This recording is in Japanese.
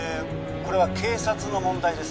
これは警察の問題です